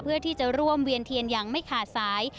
เพื่อที่จะร่วมเวียนเทียนอย่างไม่ขาดสาย